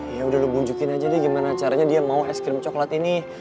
ya udah lo bujukin aja deh gimana caranya dia mau ice cream coklat ini